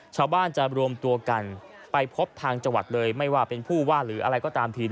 ชาวบ้านจะรวมตัวกันไปพบทางจังหวัดเลยไม่ว่าเป็นผู้ว่าหรืออะไรก็ตามที